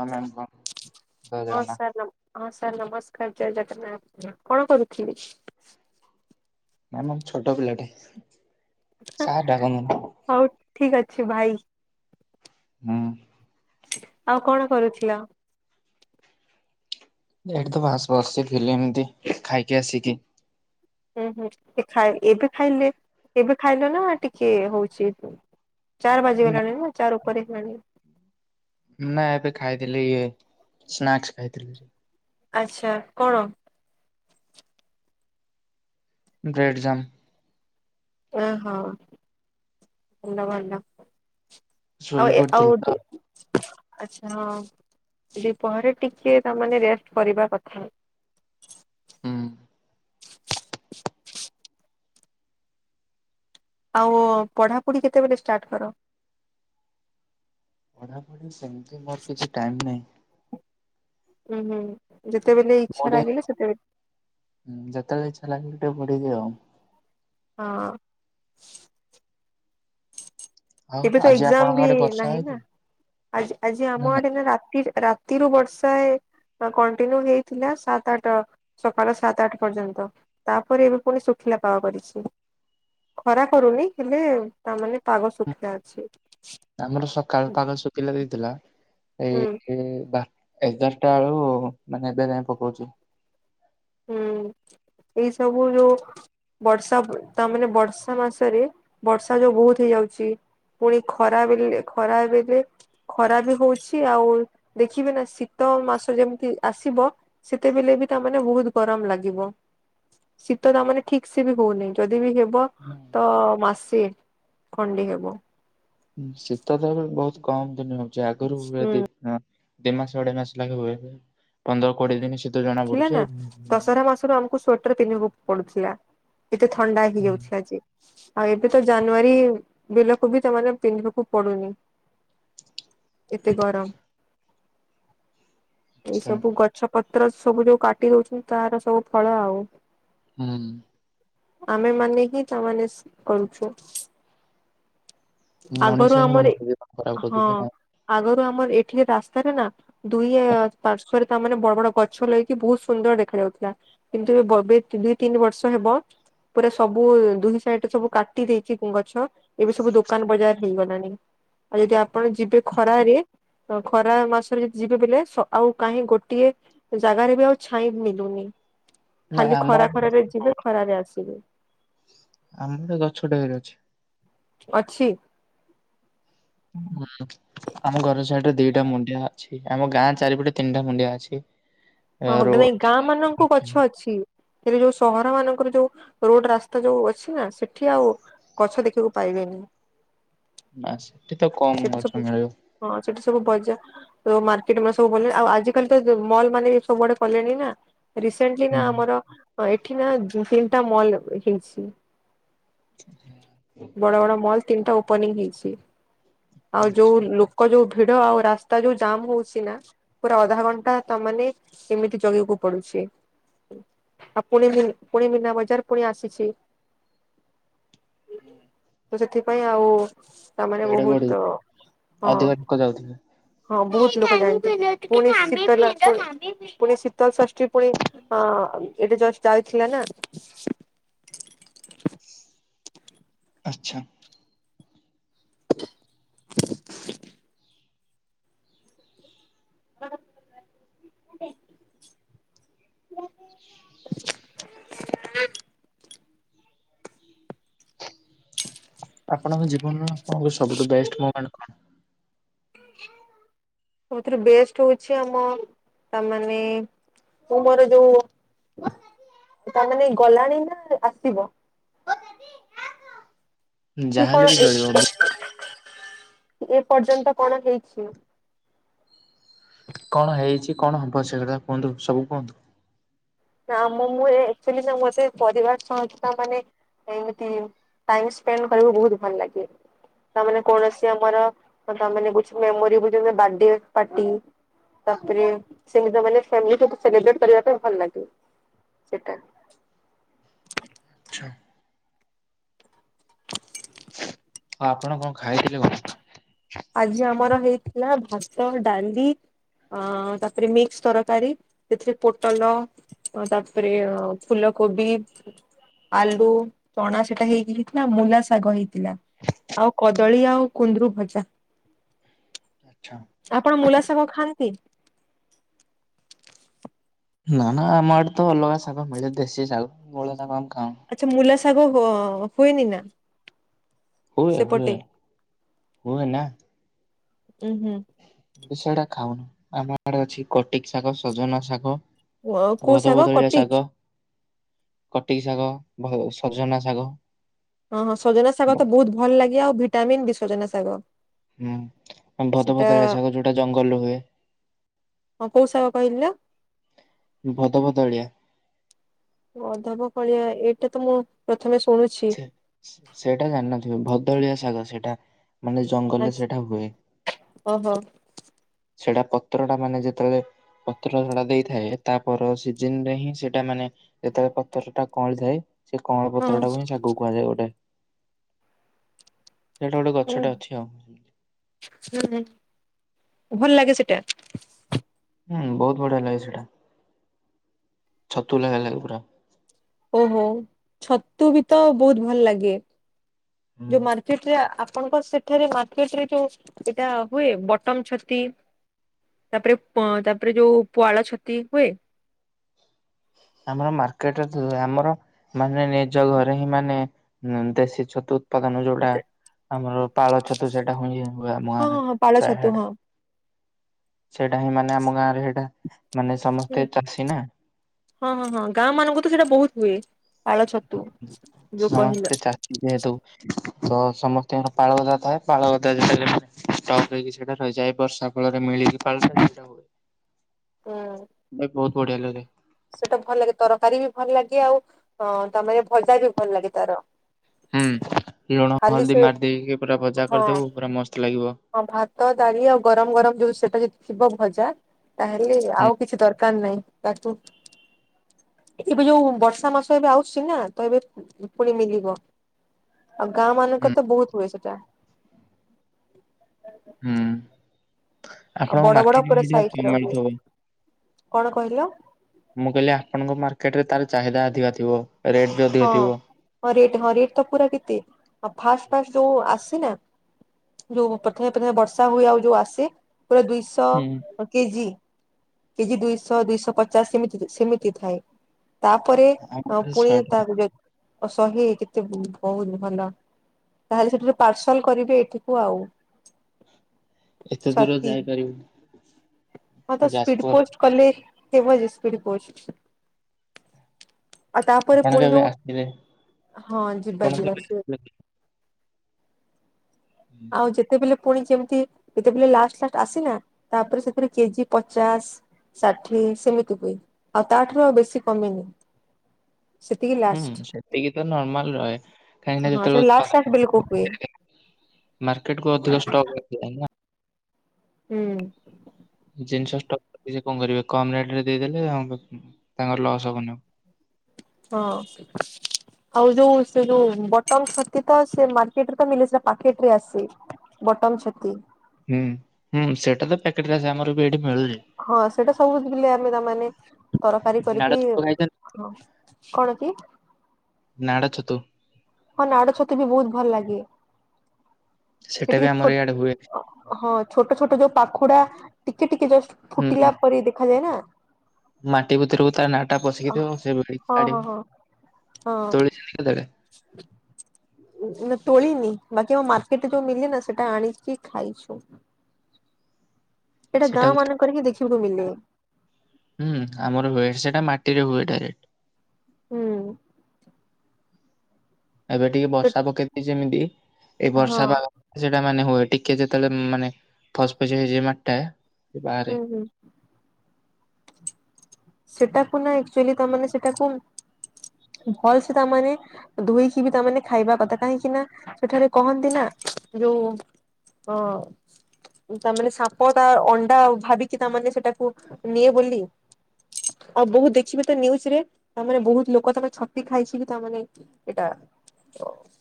ହଁ ମ୍ୟାମ୍ କୁହନ୍ତୁ ଜୟ ହଁ ଜଗନ୍ନାଥ। ସାର୍ ନ ହଁ ସାର୍ ନମସ୍କାର ଜୟ ଜଗନ୍ନାଥ କଣ କରୁଥିଲି? ନା ନା ମୁଁ ଛୋଟ ପିଲାଟେ ସାର୍ ଡାକନ୍ତୁନି। ହୋଉ ଠିକ୍ ଅଛି ଭାଇ। ହଁ। ଆଉ କଣ କରୁଥିଲ? ଏଇଠି ତ ବାସ୍ ବସିଥିଲି ଏମିତି ଖାଇକି ଆସିକି। ହୁଁ, ହୁଁ ଏଇ ଏବେ ଖାଇଲେ ଏବେ ଖାଇଲେ ନା ଟିକେ ହୋଉଚି? ଚାର୍ ବାଜିଗଲାଣି ନା ଚାର୍ ଉପରେ ହେଲାଣି। ନା ଏବେ ଖାଇଥିଲି ଇଏ ସ୍ନାକ୍ସ ଖାଇଥିଲି। ଆଚ୍ଛା କଣ? Bread jam. ଓହୋ ଭଲ, ଭଲ। ଆଉ ଶୋଇ ଏ ଆଉ ପଡିଥିଲି ଦୁ ତ ଆଚ୍ଛା ହଁ ଦୀପହରେ ଟିକେ ତାମାନେ ରାଷ୍ଟ କରିବା କଥା। ହୁଁ। ଆଉ ପଢା, ପଢି କେତେବେଳେ ଷ୍ଟାର୍ଟ କର? ପଢାପଢି ସେମିତି ମୋର କିଛି ଟାଇମ୍ ନାହିଁ। ହୁଁ ହୁଁ ଯେତେବେଳେ ଇଚ୍ଛା ଗୋଟେ ଲାଗିଲେ ସେତେବେଳେ? ଯେତେବେଳେ ଇଚ୍ଛା ଲାଗିଲେ ଟିକେ ପଢ଼ିବି ଆଉ। ହଁ। ଆଉ ଏବେ ତ ଆଜି ଏକ୍ସାମ୍ ଆପଣଙ୍କ ବି ଆଡେ ବର୍ଷା ନାହିଁ ହେଇଛି ନା? ଆଜି ଆଜି ଆମ ଆଡେ ନା ରାତି ରାତିରୁୁ ବର୍ଷା ହଁ କଣ୍ଟିନ୍ୟୁ ହେଇଥିଲା ସାତ ଆଠ ସକାଳ ସାତେ ଆଠେ ପର୍ଯ୍ୟନ୍ତ ତାପରେ ଏବେ ଫୁଣି ଶୁଖିଲା ପାଗ କରିଚି? ଖରା କରୁନି ହେଲେ ତା ମାନେ ପାଗ ନାଇଁ? ଶୁଖିଲା ଅଛି। ଆମର ସକାଳୁ ପାଗ ଶୁଖିଲା ଦେଇଥିଲା। ଏଇ ହୁଁ ଏବେ ବା ଏଗାରଟା ବେଳୁ ମାନେ ଏବେ ଯାଇଁ ପକଉଛି। ହୁଁ [inaudible] ଏଇ ସବୁ ଯୋଉ ବର୍ଷା ତା ମାନେ ବର୍ଷା ମାସରେ, ବର୍ଷା ଯୋଉ ବହୁତ ହେଇଯାଉଛି। ପୁଣି ଖରା ବେଲେ ଖରା ବେଲେ ଖରା ବି ହଉଛି ଆଉ ଦେଖିବେ ନା ଶୀତ ମାସ ଯେମିତି ଆସିବ ସେତେବେଲେ ବି ତା ମାନେ ବହୁତ ଗରମ ଲାଗିବ। ଶୀତ ତା ମାନେ ଠିକ୍ ସେ ବି ହଉନାହିଁ। ଯଦି ବି ହେବ ତ ମାସେ ଖଣ୍ଡେ ହେବ। ଶୀତ ତ ଏବେ ବହୁତ କମ୍ ଦିନ ହଉଛି। ଆଗରୁ ହୁଁ [unintelligible] ଦି ମାସ ଅଢେଇ ମାସ ଲାଗେ ହୁଏ। ପନ୍ଦର କୋଡ଼ିଏ ଦିନ ଶୀତ ଜଣା ଥିଲା ପଡୁଛି ନା। ଆଉ। ଦଶହରା ମାସ ରୁ ଆମକୁ ସ୍ଵେଟର ପିନ୍ଧିବାକୁ ପଡ଼ୁଥିଲା। ଏତେ ଥଣ୍ଡା ହେଇ ଯାଉଥିଲା ଯେ। ଆଉ ଏବେ ତ ଜାନୁଆରୀ ବେଲକୁ ବି ସେମାନେ ପିନ୍ଧିବାକୁ ପଡୁନି। [inaudible] ଏତେ ଗରମ। ଏଇ ଆଛା ସବୁ ଗଛ ପତ୍ର ସବୁ ଯୋଉ କାଟି ଦଉଛନ୍ତି ତାର ସବୁ ଫଳ ଆଉ। ହୁଁ। ଆମେ ମାନେ ହିଁ ତା ମାନେ କରୁଛୁ। ମଣିଷ ଆଗରୁ ହିଁ ଆମର, ମଣିଷ ଜୀବନ ଖରାପ ହଁ। କରିଦଉଛି ନା। ଆଗରୁ ଆମର ଏଠି ରାସ୍ତାରେ ନା ଦୁଇ ପାର୍ଶ୍ଵରେ ତା ମାନେ ବଡ଼ ବଡ଼ ଗଛ ଗଛ ଲାଗିକି ବହୁତ ସୁନ୍ଦର ଦେଖା ଯାଉଥିଲା। କିନ୍ତୁ ଏବେ ଏ ଦୁଇ-ତିନି ବର୍ଷ ହେବ ପୁରା ସବୁ ଦୁଇ ସାଇଡରେ ସବୁ କାଟି ଦେଇଛି ଗଛ। ଏବେ ସବୁ ଦୋକାନ ବଜାର ହେଇ ଗଲାଣି। ଆଉ ଯଦି ଆପଣ ଯିବେ ଖରାରେ ଖରା ମାସରେ ଯଦି ଯିବେ ବେଲେ ଆଉ କାହିଁ ଗୋଟିଏ ଜାଗାରେ ବି ଆଉ ଛାଇଁ ମିଲୁନି। ନା ଖାଲି ଆମ ଖରା ଆଡେ ଗଛ ଖରାରେ ଯିବେ ଖରାରେ ଆସିବେ। ଆମର ତ ଗଛ ଢେର୍ ଅଛି। ଅଛି? ହୁଁ। ଆମ ଘର ସାଇଡ୍ ରେ ଦିଇଟା ମୁଣ୍ଡିଆ ଅଛି। ଆମ ଗାଁ ଚାରିପଟେ ତିନିଟା ମୁଣ୍ଡିଆ ଅଛି। ଏ ହଁ ରୋଡ ନାଇଁ ଗାଁ ମାନଙ୍କୁ ଗଛ ଅଛି। ହେଲେ ଯୋଉ ସହର ମାନଙ୍କର ଯୋଉ ରୋଡ଼ ରାସ୍ତା ଯୋଉ ଅଛି ନା ସେଠି ଆଉ ଗଛ ଦେଖିବାକୁ ପାଇବେନି। ଆଃ ସେଠି ତ କମ୍ ସେଠି ସବୁ ଗଛ ମିଳିବ। ହଁ ସେଠି ସବୁ ବଜାର ତ ମାର୍କେଟ ମାନେ ସବୁ ଭଲ ଆଉ ଆଜିିକାଲି ତ ମଲ୍ ମାନେ ବି ସବୁଆଡ଼େ କଲେଣି ନା। ରିସେଣ୍ଟଲି ହୁଁ। ନା ଆମର ଏଠି ନା ତିନିଟା ମଲ ହେଇଛି। [inaudible] ବଡ ବଡ ମଲ୍ ତିନିଟା ଓପନିଂ ହେଇଛି। ଆଉ ଯୋଉ ଆଚ୍ଛା। ଲୋକ ଯୋଉ ଭିଡ଼ ଆଉ ରାସ୍ତା ଯୋଉ ଜାମ୍ ହଉଛି ନା। ପୁରା ଅଧା ଘଣ୍ଟା ତା ମାନେ ଏମିତି ଜଗିବାକୁ ପଡ଼ୁଛି। ଆଉ ପୁଣି ପୁଣି ମୀନା ବଜାର ପୁଣି ଆସିଛି। ତ ସେଥିପାଇଁ ଆଉ ତା ମାନେ ବହୁତ ହଁ [inaudible] [inaudible] ହଁ ଏଇଟା ଜଷ୍ଟ ଯାଉଥିଲା ନା ଆଛା। [inaudible] [inaudible] [inaudible] ଆପଣଙ୍କ ଜୀବନର ଆପଣଙ୍କ ସବୁଠୁ ବେଷ୍ଟ ମୁମେଣ୍ଟ୍ କଣ? ସବୁଥିରୁ ବେଷ୍ଟ ହଉଛି ଆମ ତାମାନେ ତୁ ମୋର ଯୋଉ ତାମାନେ ଗଲାଣି ନା ଆସିବ? କି ଯାହାହେଲେ କଣ ବି ଏ ଚଳିବ ଏ ପର୍ଯ୍ୟନ୍ତ କଣ ହେଇଛି। କଣ ହେଇଛି କଣ ହବ ସେକଥା କୁହନ୍ତୁ ସବୁ କୁହନ୍ତୁ? ନା ଆମ ମୁଁ ଏ ଆକ୍ଚୋଲି ନା ମତେ ପରିବାର ସଂସ୍ଥା ମାନେ ଏମିତି ଟାଇମସ୍ପେଣ୍ଡ କରିବାକୁ ବହୁତ ଭଲ ଲାଗେ। ତାମାନେ କୌଣସି ଆମର ତାମାନେ ହଉଛି ମେମୋରି ବ ବାର୍ଡେ ପାର୍ଟି ତାପରେ ସେମିତି ମାନେ ସେମିତି ସେଲିବ୍ରେଟ୍ କରିବା ପାଇଁ ଭଲ ଲାଗେ। ସେଇଟା ଆଛା ହଉ ଆପଣ କଣ ଖାଇଥିଲେ କହୁ ଆଜି ଆମର ହେଇଥିଲା ଭାତ, ଡାଲି ଅ ତାପରେ ମିକ୍ସ ତରକାରୀ ସେଥିରେ ପୋଟଲ ଆଉ ତାପରେ ଫୁଲକୋବି। ଆଲୁ ଚଣା ସେଟା ହେଇକି ହେଇଥିଲା ମୂଲା ଶାଗ ହେଇଥିଲା। ଆଉ କଦଳୀ ଆଉ କୁନ୍ଦରୁ ଭଜା। ଆଛା। ଆପଣ ମୂଲା ଶାଗ ଖାଆନ୍ତି? ନା ନା ଆମ ଆଡେ ତ ଅଲଗା ଶାଗ ମିଳେ ଦେଶୀ ଶାଗ ମୂଳା ଶାଗ ଆମେ ଖାଉନୁ। ଆଚ୍ଛା ମୂଲା ସାଗ ହୁଏନି ନା? ହୁଏ ହୁଏ ସେପଟେ ହୁଏ ନା। ଉୁଁ ହୁଁ। ସେଟା ଖାଉନୁ ଆମ ଆଡେ ଅଛି କଟିକ ଶାଗ, ସଜନା ଶାଗ। ହୁଁ କୋଉ ଶାଗ ବଦବଦଳିଆ କଟିକ? ଶାଗ। କଟିକି ଶାଗ, ସଜନା ଶାଗ। ହଁ ହଁ ସଜନା ଶାଗ ତ ବହୁତ ଭଲ ଲାଗେ ଆଉ ଭିଟାମନ୍ ବି ସଜନା ଶାଗ। ହୁଁ ସେଟା ଭଦଭଦଳିଆ ଶାଗ ଯୋଉଟା ଜଙ୍ଗଲରୁ ହୁଏ। ହଁ କୋଉ ସାଗ କହିଲ। ଭଦ ଭଦଳିଆ। ଅଧବ କଳିଆ ଏଇଟା ତ ମୁଁ ପ୍ରଥମେ ଶୁଣୁଛି। ସେଇଟା ଜାଣିନଥିବେ ଭଦଳିଆ ଶାଗ ସେଇଟା ମାନେ ଜଙ୍ଗଲରେ ଆଚ୍ଛା ସେଇଟା ହୁଏ। ଓହୋ। ସେଇଟା ପତ୍ର ଟା ମାନେ ଯେତେବେଳେ ପତ୍ର ଝଡା ଦେଇଥାଏ ତାପର ସିଜିନ ରେ ହିଁ ସେଟା ମାନେ ଯେତେବେଳେ ପତ୍ର ଟା କଅଁଳିଥାଏ ସେ କଅଁଳ ହଁ। ପତ୍ର ଟାକୁ ହିଁ ଶାଗକୁ କୁହାଯାଏ ଗୋଟେ। ସେଇଟା ଗୋଟେ ଗଛଟା ଅଛି ଆଉ। ହଁ, ଭଲ ଲାଗେ ସେଟା? ହୁଁ ବହୁତ ବଢିଆ ଲାଗେ ସେଇଟା, ଛତୁ ଲାଗା ଲାଗେ ପୁରା। ଓହୋ ଛତୁ ବି ତ ବହୁତ ଭଲ ଲାଗେ ହୁଁ ଯୋଉ ମା ସେଟା ଆପଣଙ୍କ ସେଠାରେ ମାର୍କେଟରେ ଯୋଉ ଏଟା ହୁଏ ବଟମ ଛତି। ତାପରେ ପ ତାପରେ ଯୋଉ ପୁଆଳ ଛତି ହୁଏ। ଆମର ମାର୍କେଟରେ ତ ଆମର ମାନେ ନିଜ ଘରେ ହିଁ ମାନେ ଦେଶୀ ଛତୁ। ଉପାଦାନ ଯୋଉଟା ଆମର ପାଳ ଛତୁ ସେଟା ହୁଁଇ ଯେ [unintelligible] ଆମ ହଁ ହଁ ଗାଁରେ ହଁ ପାଳ ଛତୁ ପ୍ରାୟଟା। ହଁ। ସେଟା ହିଁ ମାନେ ଆମ ଗାଁ ରେ ହେଟା ମାନେ ହୁଁ ସମସ୍ତେ ଚାଷୀ ନା। ହଁ ହଁ ହଁ ଗାଁ ମାନଙ୍କୁ ତ ସେଟା ବହୁତ ହୁଏ ପାଳ ଛତୁ ଯୋଉ କହିଲ। ସମସ୍ତେ ଚାଷୀ ଯେହେତୁ ତ ସମସ୍ତଙ୍କର ପାଳଗଦା ଥାଏ ପାଳଗଦା ଯେତେ ହେଲେ ଷ୍ଟକ୍ ହେଇକି ସେଟା ରହିଯାଏ ବର୍ଷା ଫଳରେ ମିଳିକି ପାଳଟା ସେଟା ହୁଏ। ହୁଁ ବେ ବୋହୁତ ବଢିଆ ଲାଗେ। ସେଟା ଭଲ ଲାଗେ ତରକାରୀ ବି ଭଲ ଲାଗେ ଆଉ ଅଁ ତା ମାନେ ଭଜା ବି ଭଲ ଲାଗେ ତାର। ହୁଁ ଲୁଣ ଖାଲି ହଳଦୀ ସେ ମାରି ଦେଇକି ପୁରା ଭଜା ହଁ କରିଦବୁ ପୁରା ମସ୍ତ ଲାଗିବ। ହଁ ଭାତ ଡାଳି ଆଉ ଗରମ ଗରମ ଯୋଉ ସେଇଟା ଯଦି ଥିବ ଭଜା ତାହେଲେ ହୁଁ ଆଉ କିଛି ଦରକାର କାର ନାହିଁ ତାକୁ ଏ ସବୁ ଯୋଉ ବର୍ଷା ମାସ ଆଉ ଆଉଛି ନା ତ ଏବେ ପୁଣି ମିଲିବ। ଆଉ ଗାଁ ହୁଁ ମାନଙ୍କର ତ ବହୁତ ହୁଏ ସେଟା। ହୁଁ। ଆଉ ଆପଣଙ୍କ ବଡ ବଡ ମାର୍କେଟ ପୁରା ଇଣ୍ଡିଆ ସାଇଜ ର ହୁଏ କିଣତ। କଣ କହିଲ? ମୁଁ କହିଲି ଆପଣଙ୍କ ମାର୍କେଟ ରେ ତାର ଚାହିଦା ଅଧିକ ଥିବ ରେଟ୍ ବି ଅଧିକ ଥିବ। ହଁ ରେଟ ହଁ ରେଟ୍ ତ ପୁରା କେତେ ଆଉ ଫାଷ୍ଟ ଫାଷ୍ଟ ଯୋଉ ଆସିନା ଯୋଉ ପଥେମେ ପଥେମେ ବର୍ଷା ହୁଏ ଆଉ ଯୋଉ ଆସେ ପୁରା ହୁଁ ଦୁଇଶହ କେଜି। କେଜି ଦୁଇଶ ଦୁଇଶ ପଚାଶ ଏମିତି ତି ସେମିତି ଥାଏ। ତାପରେ ଆମ ଅ ପାଖରେ ପୁଣି ଶହେ ତା ଟଙ୍କା ଯ ସହେ କେତେ ବୋ ବୋହୁତ ଭଲ। ତାହେଲେ ସେଠାରେ ପାର୍ସଲ କରିବେ ଏଠିକୁ ଆଉ। ଏତେ ଦୂର ଛତି ଯାଇପାରିବନି। ହଁ ତ ସ୍ପିଡ ପୋଷ୍ଟ କଲେ ଥିବ ଯେ ସ୍ପିଡ ପୋଷ୍ଟ। ଆଉ ତାପରେ ଆପଣ ପୁଣି କେବେ ଯୋଉ ଆସିଲେ ହଁ ଯିବା ଆପଣ ଯିବା କେବେ ଆସିବେ। ଆସିଲେ ଆଉ ଯେତେବେଳେ ପୁଣି ଯେମିତି ଯେତେବେଳେ ଲାଷ୍ଟ ସାଟ ଆସିଲା ତାପରେ ସେଥିରେ କେଜି ପଚାଶ। ଷାଠିଏ ସେମିତି ହୁଏ ଆଉ ତାଠାରୁ ଆଉ ବେଶୀ କମିନି। ହୁଁ ସେତିକି ତ ନର୍ମାଲ ରହେ କାହିଁକି ନା ହଁ ସେ ଯେତେବେଳେ ଲାଷ୍ଟ ଉତ୍ପାଦନ ଲାଷ୍ଟ ବେଳକୁ ହୁଏ ମାର୍କେଟ କୁ ଅଧିକ ଷ୍ଟକ୍ ଆସି ଯାଏ ନା। ହୁଁ। ଜିନଷ ଷ୍ଟ ଜି ସେ ଙ୍କ କରିବେ କମ ରେଟ ରେ ଦେଇଦେଲେ ଆଉ ତାଙ୍କର ଲସ୍ ହବନବ। ହଁ। ଆଉ ଯୋଉ ସେ ଯୋଉ ବଟମ ଛତୁ ଟା ସେ ମାର୍କେଟେ ରେ ମିଳେନି ସେଟା ପ୍ୟାକେଟ ରେ ଆସେ। ବଟମ ଛତୁ। ହୁଁ ହୁଁ ସେଇଟା ତ ପ୍ୟାକେଟରେ ଆସେ ଆମର ବି ଏଇଠି ମିଳୁଚି। ହଁ ସେଇଟା ସବୁ ବିଲେ ଆମେ ତାମାନୋନେ ତରକାରୀ ନାଡ କରିକି ଛତୁ ଖାଇଛନ୍ତି ହଁ କଣ କି? ନାଡଛତୁ। ହଁ ନାଡ ଛତୁ ବି ବୋହୁତ ଭଲ ଲାଗେ ସେଇଟା ବି ସେଟିକେ ଆମର ଇଆଡେ ହୁଏ ଛୋଟ। ହଁ ଛୋଟ ଛୋଟ ଯୋଉ ପାଖୁଡା ଟିକେ ଟିକେ ଜଷ୍ଟ ହୁଁ ହୁଁ ଫୁଟିଲା ପରେ ଦେଖାଯାଏ ନା। ମାଟି ଭିତରକୁୁ ତା ନା ଟା ପଶିକି ଥିବ ହଁ ସେ ଭିଡ଼ିକି ହଁ କାଢିବୁ ହଁ ତୋଳି ହଁ ଚନ୍ତି କେତେବେଳେ? ତୋଳିନି ବାକି ଆମ ମାର୍କେଟରେ ଯୋଉ ମିଲେ ନା ସେଟା ଆଣିିକି ଖାଇଛୁ। [inaudible] ଏଟା ଗାଁ ସେଟାକୁ ମାନଙ୍କରେ ହି ଦେଖିବାକୁ ମିଲେ। ହୁଁ। ଆମର ହୁଏ ସେଇଟା ମାଟିରେ ହୁଏ ଡାଇରେକ୍ଟ। ହୁଁ। ଏବେ ଟିକେ ସେ ବର୍ଷା ପକେଇଚି ଯେମିତି ଏଇ ହଁ ବର୍ଷା ପାଗ ସେଟା ମାନେ ହୁଏ। ଟିକେ ଯେତେବେଳେ ମାନେ ଫସଫସିଆ ହେଇଯାଏ ମାଟି ଟା ସିଏ ବାହାରେ। ଉଁ। ସେଟାକୁ ନା ଆଚୁଆଲି ତାମାନେ ସେଟାକୁ ଭଲ୍ ସେ ତାମାନେ ଧୁଇକି ବି ତାମାନେ ଖାଇବା କଥା। କାହିଁକି ନା ସେଠାରେ କହନ୍ତି ନା ଯୋଉ ଅ ତାମାନେ ସାପ ତା ଅଣ୍ଡା ଭାବିକି ତାମାନେ ସେଟାକୁ ନିଏ ବୋଲି। ଅବୁ କୁ ଦେଖିବେ ତ ନିଉଜ୍ ରେ ତାମାନେ ବହୁତ ଲୋକ ତମେ ଛତି ଖାଇଛି କି ତାମାନେ ଏଟା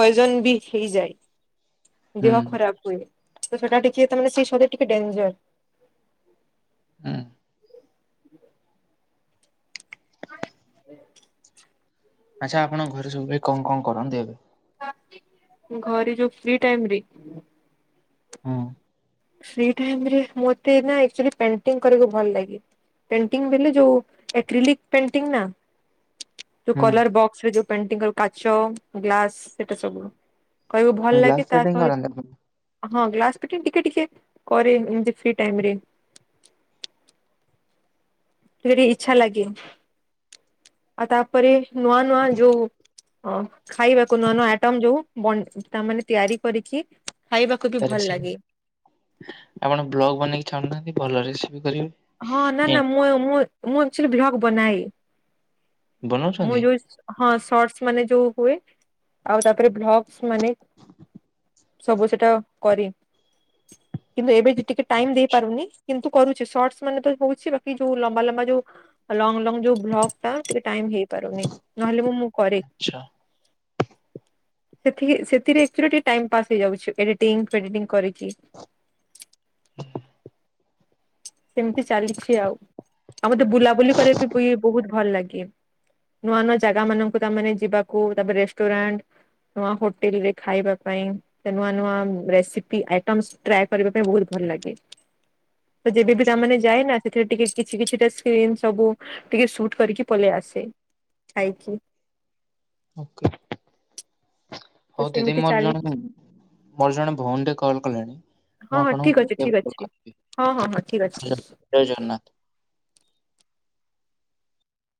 ପଏଜନ୍ ବି ହେଇଯାଏ। ହୁଁ ଦେହ ଖରାପ ହୁଏ। ତ ସେଟା ଟିକେ ତା ମାନେ [unintelligible] ଟିକେ ଡେଞ୍ଜର। ହୁଁ। [inaudible] ଆଚ୍ଛା ଆପଣ ଘରେ ସବୁ ଭାଇ କଣ କଣ କରନ୍ତି ଏବେ? ଘରେ ଯୋଉ ଫ୍ରି ଟାଇମ ରେ ହୁଁ ଫ୍ରି ଟାଇମ୍ ରେ ମତେ ନା ଆକଚୁଆଲି ପେଣ୍ଟିଙ୍ଗ କରିବାକୁ ଭଲ ଲାଗେ। ପେଣ୍ଟିଂ ବଲେ ଯୋଉ ଏ କ୍ରିଲିକ୍ ପେଣ୍ଟିଙ୍ଗ ନା ଯୋଉ କଲର ହୁଁ ବକ୍ସରେ ଯୋଉ ପେଣ୍ଟିଙ୍ଗ ର କାଚ ଗ୍ଲାସ ସେଟା ସବୁ। କହିବ ଭଲ ଲାଗେ ଗ୍ଲାସ୍ ତା ଫିଟିଂ କରନ୍ତି ଆପଣ? ସହିତ୍ ହଁ ଗ୍ଲାସ [unintelligible] ଟିକେ ଟିକେ କରେ ଏମତି ଫ୍ରି ଟାଇମ ରେ। ଟିକେ ଟିକେ ଇଛା ଲାଗେ। ଆଉ ତାପରେ ନୂଆ ନୂଆ ଯୋଉ ହଁ। ଖାଇବାକୁ ନୂଆ ନୂଆ ଆଇଟମ୍ ଯୋଉ ବନ୍ ତାମାନେ ତିଆରି କରିକି ଖାଇବାକୁ ବି ଭଲ ଲାଗେ। ଆପଣ ବ୍ଲଗ୍ ବନେଇକି ଛାଡୁନାହାନ୍ତି ଭଲ ରେସିପି କରିବେ। ହଁ ନା ନା ମୁଁ ମୁଁ ମୁଁ ଆକଚୁଆଲି ବ୍ଲଗ୍ ବନାଏ। ମୁଁ ବନଉଛନ୍ତି? ଯୋଉ ହଁ ସର୍ଟସ୍ ମାନେ ଯୋଉ ହୁଏ। ଆଉ ତାପରେ ଭ୍ଲଗସ୍ ମାନେ ସବୁ ସେଟା କରେ। କିନ୍ତୁ ଏବେ ଟିକେ ଟାଇମ୍ ଦେଇ ପାରୁନି। କିନ୍ତୁ କରୁଛି ସଟସ୍ ମାନେ ତ ହଉଛି। ବାକି ଯୋଉ ଲମ୍ବା ଲମ୍ବା ଯୋଉ ଲଙ୍ଗ ଲଙ୍ଗ ଯୋଉ ବ୍ଲଗ୍ ଆଁ ଟିକେ ଟାଇମ୍ ହେଇପାରୁନି। ନହେଲେ ମୁଁ ମୁଁ କରେ। ଆଚ୍ଛା ସେଥି ସେଥିରେ ଆକଚୁଆଲି ଟିକେ ଟାଇମ୍ ପାସ୍ ହେଇଯାଉଚି। ଏଡିଟିଂ ଫେଡିଟିଂ କରିକି। ସେମିତି ଚାଲିଛି ଆଉ। ଆଉ ମତେ ବୁଲାବୁଲି କରିବାକୁ ବି ବହୁତ ଭଲ୍ ଲାଗେ। ନୂଆ ନୂଆ ଜାଗା ମାନଙ୍କୁ ତାମାନେ ଯିବାକୁ ତାପରେ ରେଷ୍ଟୁରାଣ୍ଟ ନୂଆ ହୋଟେଲ ରେ ଖାଇବା ପାଇଁ ନୂଆ ନୂଆ ରେସିପି ଆଇଟମସ୍ ଟ୍ରାଏ କରିବା ପାଇଁ ବହୁତ ଭଲ ଲାଗେ। ତ ଯେବେ ବିି ଆଚ୍ଛା ତାମାନେ ଯାଏ ନା ସେଥିରେ ଟିକେ କିଛି କିଛିଟା ସ୍କ୍ରିନ୍ ସବୁ ଟିକେ ସୁଟ୍ କରିକି ପଳେଇ ଆସେ ଖାଇକି। ଓକେ। ତ ହଉ ଦିଦି ସେମିତି ମୋର ଚାଲିଛି ଜଣେ ମୋର ଜଣେ ଭଉଣୀ ଟେ କଲ୍ କଲେଣି। ହଁ ମୁଁ ହଁ ଆପଣଙ୍କୁ ଠିକ୍ ଅଛି ପରେ ଠିକ୍ କଲ୍ ଅଛି। କରିବି। ହଁ ହଁ ହଁ ଠିକ୍ ଅଛି। ଜୟ ଜଗନ୍ନାଥ।